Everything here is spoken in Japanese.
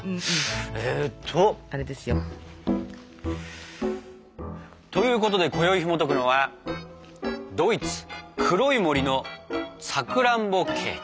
えっと。ということで今宵ひもとくのは「ドイツ黒い森のさくらんぼケーキ」。